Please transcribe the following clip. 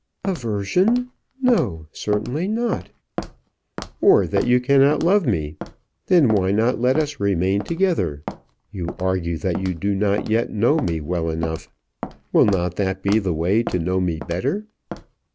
"Aversion! No, certainly not." "Or that you cannot love me? Then why not let us remain together? You argue that you do not yet know me well enough; will not that be the way to know me better?"